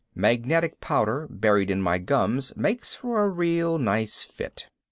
Magnetic powder buried in my gums makes for a real nice fit.